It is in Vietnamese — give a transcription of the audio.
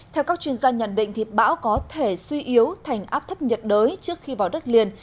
theo các chuyên gia nhận định bão có thể suy yếu thành áp thấp nhiệt đới trước khi vào đất liền